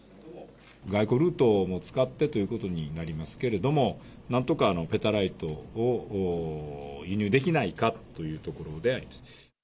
外交ルートも使ってということになりますけれども、なんとかペタライトを輸入できないかというところであります。